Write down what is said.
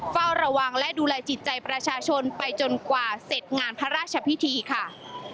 เฝ้าระวังและดูแลจิตใจประชาชนไปจนกว่าเสร็จงานพระราชพิธีค่ะ